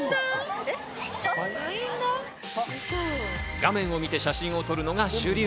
画面を見て写真を撮るのが主流。